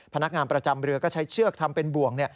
พนักงานประจำเรือก็ใช้เชือกทำเป็นบ่วง